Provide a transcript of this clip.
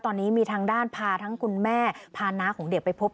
ตอนนี้มีทางด้านพาทั้งคุณแม่พาน้าของเด็กไปพบ